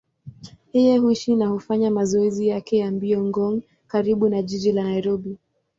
Yeye huishi na hufanya mazoezi yake ya mbio Ngong, karibu na jiji la Nairobi.